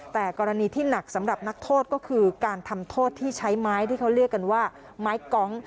แต่กรณีที่หนักสำหรับนักโทษก็คือการทำโทษที่ใช้ไม้ที่เขาเรียกกันว่าไม้กอง